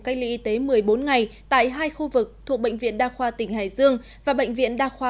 cách ly y tế một mươi bốn ngày tại hai khu vực thuộc bệnh viện đa khoa tỉnh hải dương và bệnh viện đa khoa